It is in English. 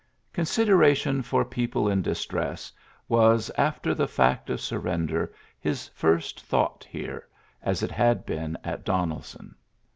Consideration for people in distress was, after the fsMjt of surrender, his first thought here, as it had been at Donelson.